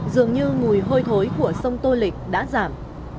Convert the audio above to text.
dường như mùi hôi thối của sông tô lịch đã giảm